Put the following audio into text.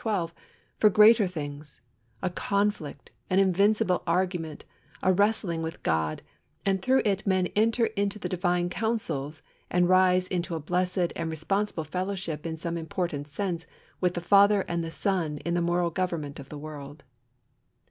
12) for greater things, a conflict, an invincible argument, a wrestling with God, and through it men enter into the Divine councils and rise into a blessed and responsible fellowship in some important sense with the Father and the Son in the moral government of the world.